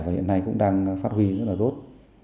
và hiện nay cũng đang phát huy rất là tốt